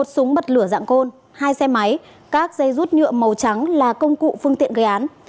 một súng bật lửa dạng côn hai xe máy các dây rút nhựa màu trắng là công cụ phương tiện gây án